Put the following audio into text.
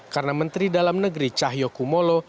karena menteri dalam negeri cahyokumolo